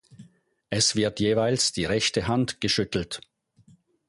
Es wird jeweils die rechte Hand geschüttelt.